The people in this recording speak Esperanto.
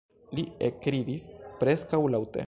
Li ekridis preskaŭ laŭte.